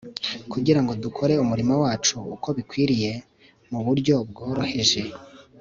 kugira ngo dukore umurimo wacu uko bikwiriye, mu buryo bworoheje